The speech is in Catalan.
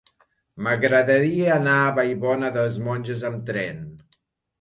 M'agradaria anar a Vallbona de les Monges amb tren.